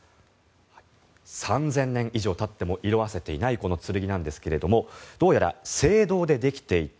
３０００年以上たっても色あせていないこの剣なんですけどもどうやら青銅でできていて